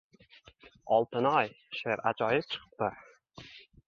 Oltinoy, sheʼr ajoyib chiqibdi